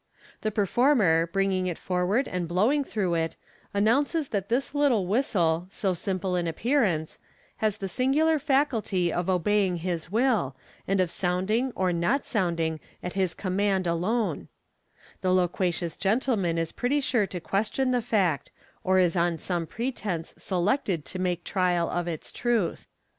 The performer, bringing it forward and blow FlG j66 ing through it, announces that this little whistle, so simple in appearance, has the singular faculty of obeying his will, and of soundmg or not sounding at his command alon^ The loquacious gentleman is pretty sure to question the fact, or is on some pretence selected to make trial of its truth.